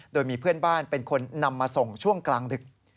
โดยมีเพื่อนบ้านเป็นคนนำมาส่งช่วงกลางดึก